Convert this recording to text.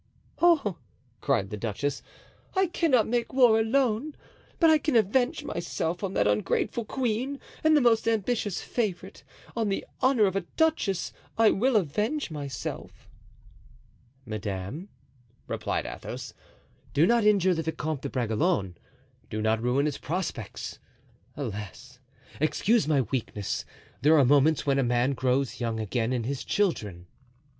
"Oh," cried the duchess, "I cannot make war alone, but I can avenge myself on that ungrateful queen and most ambitious favorite on the honor of a duchess, I will avenge myself." "Madame," replied Athos, "do not injure the Vicomte de Bragelonne—do not ruin his prospects. Alas! excuse my weakness! There are moments when a man grows young again in his children."